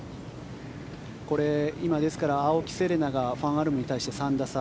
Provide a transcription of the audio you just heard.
これ、今ですから青木瀬令奈がファン・アルムに対して３打差。